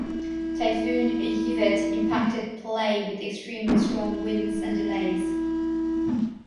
Typhoon Yvette impacted play with extremely strong winds and delays.